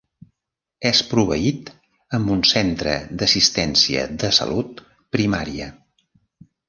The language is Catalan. És proveït amb un centre d'assistència de salut primària.